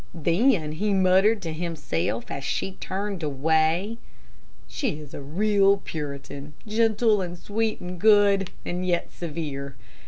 Then he muttered to himself as she turned away, "She is a real Puritan, gentle, and sweet, and good, and yet severe.